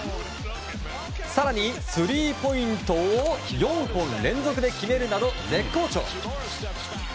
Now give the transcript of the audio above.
更にスリーポイントを４本連続で決めるなど絶好調。